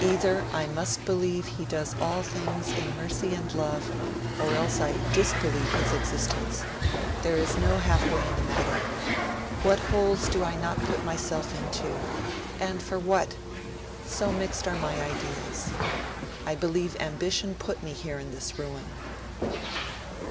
'Either I must believe He does all things in mercy and love, or else I disbelieve His existence; there is no half way in the matter. What holes do I not put myself into! And for what? So mixed are my ideas. I believe ambition put me here in this ruin.'